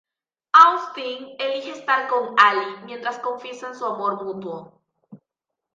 Austin elige estar con Ally mientras confiesan su amor mutuo.